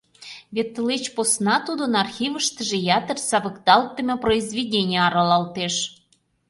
Вет тылеч посна тудын архивыштыже ятыр савыкталтдыме произведений аралалтеш.